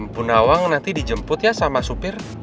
bu nawang nanti dijemput ya sama supir